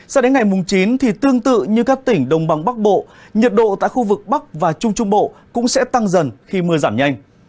sau đến ngày chín tương tự như các tỉnh đồng bằng bắc bộ nhiệt độ tại khu vực bắc và trung trung bộ cũng sẽ tăng dần khi mưa giảm nhanh